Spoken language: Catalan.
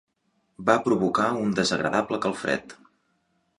Va provocar un desagradable calfred.